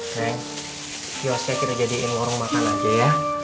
neng yos kita jadiin warung makan aja ya